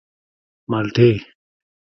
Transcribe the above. _مالټې.